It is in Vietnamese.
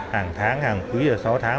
hàng tháng hàng quý giờ sáu tháng